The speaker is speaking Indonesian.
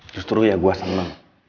justru ya gua senang